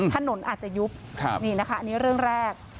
ถนนอาจจะยุบนี่นะคะอันนี้เรื่องแรก